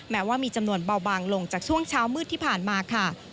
แม้ว่ามีจำนวนเบาบางลงจากช่วงเช้ามืดที่ผ่านมาค่ะ